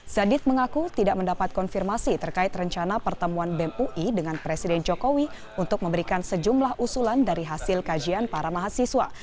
zadit mengaku tidak mendapat konfirmasi terkait rencana pertemuan bem ui dengan presiden jokowi untuk memberikan sejumlah usulan dari hasil kajian para mahasiswa